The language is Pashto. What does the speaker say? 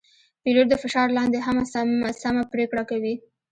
پیلوټ د فشار لاندې هم سمه پرېکړه کوي.